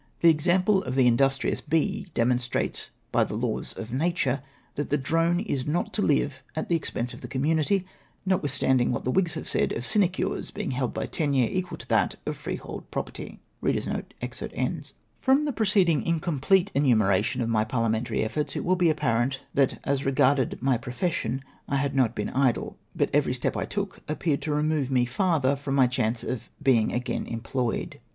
" The example of the industrious bee demonstrates by the laws of nature that the drone is not to live at the expense of the community, notwithstanding what the Whigs have said of sinecures being held by tenure equal to that of freehold property." From the preceding incomplete enumeration of my parliamentary efforts, it will be apparent that as re garded my profession I had not been idle ; but every step I took appeared to remove me farther from my chance of being again employed.